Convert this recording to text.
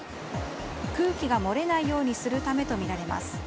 空気が漏れないようにするためとみられます。